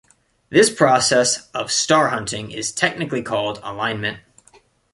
This process of star-hunting is technically called alignment.